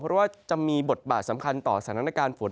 เพราะว่าจะมีบทบาทสำคัญต่อสถานการณ์ฝน